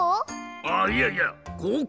あっいやいやここ。